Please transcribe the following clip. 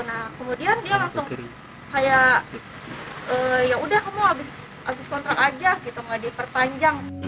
nah kemudian dia langsung kayak yaudah kamu abis kontrak aja gitu gak diperpanjang